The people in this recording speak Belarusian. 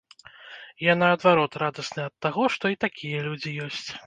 Я наадварот радасны ад таго, што і такія людзі ёсць.